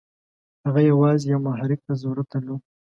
هغه یوازې یوه محرک ته ضرورت درلود.